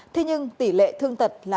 thế nhưng tỷ lệ thương tật là bốn mươi bảy